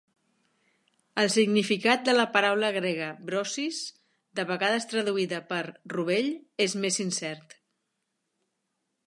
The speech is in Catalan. El significat de la paraula grega "brossis", de vegades traduïda per "rovell", és més incert.